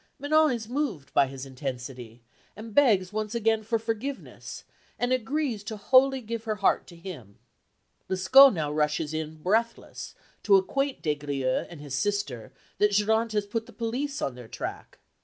Manon is moved by his intensity, and begs once again for forgiveness, and agrees to wholly give her heart to him. Lescaut now rushes in breathless to acquaint Des Grieux and his sister that Geronte has put the police on their track.